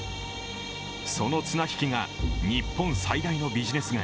その綱引きが日本最大のビジネス街